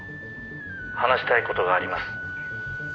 「話したい事があります」